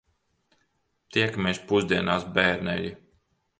Tiekamies pusdienās, bērneļi.